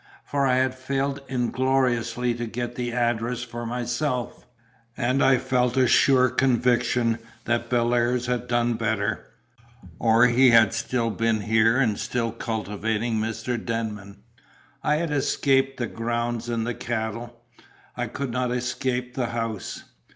For I had failed ingloriously to get the address for myself; and I felt a sure conviction that Bellairs had done better, or he had still been here and still cultivating Mr. Denman. I had escaped the grounds and the cattle; I could not escape the house.